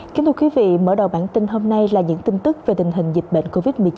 kính thưa quý vị mở đầu bản tin hôm nay là những tin tức về tình hình dịch bệnh covid một mươi chín